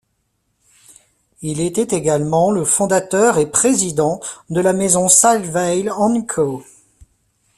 Il était également le fondateur et président de la maison Salvail & Co.